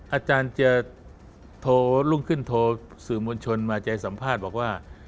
อาจารย์จะโทรรุ่งขึ้นโทรสื่อมวลชนมาใจสัมภาษณ์บอกว่า